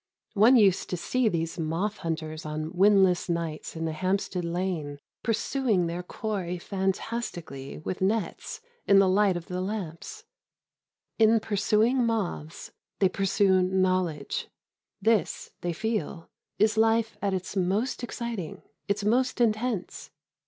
One used to see these moth hunters on windless nights in a Hampstead lane pursuing their quarry fantastically with nets in the light of the lamps. In pursuing moths, they pursue knowledge. This, they feel, is life at its most exciting, its most intense.